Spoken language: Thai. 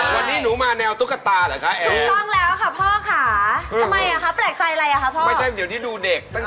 อย่าแยกสำรม